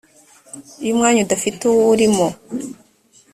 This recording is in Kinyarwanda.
iyo umwanya udafite uwurimo